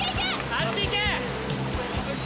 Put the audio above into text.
あっち行け！